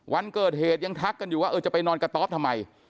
วันเกิดเหตุยังทักกันอยู่ว่าเออจะไปนอนกระต๊อปทำไม